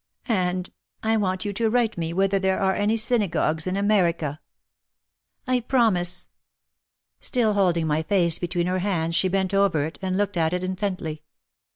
And — I want you to write me whether there are any synagogues in America." "I promise!" Still holding my face between her hands she bent over it and looked at it intently.